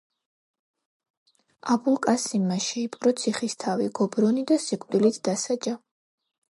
აბულ კასიმმა შეიპყრო ციხისთავი გობრონი და სიკვდილით დასაჯა.